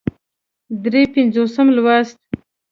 درې پينځوسم لوست